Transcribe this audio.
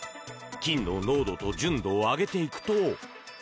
金の濃度と純度を上げていくと。